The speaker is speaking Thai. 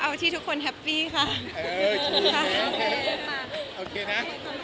เอาที่ทุกคนแฮปปี้ค่ะ